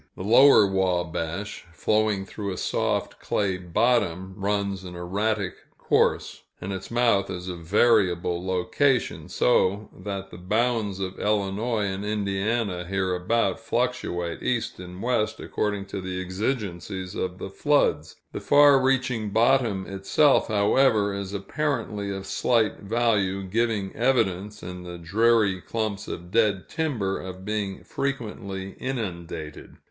The Lower Wabash, flowing through a soft clay bottom, runs an erratic course, and its mouth is a variable location, so that the bounds of Illinois and Indiana, hereabout, fluctuate east and west according to the exigencies of the floods. The far reaching bottom itself, however, is apparently of slight value, giving evidence, in the dreary clumps of dead timber, of being frequently inundated.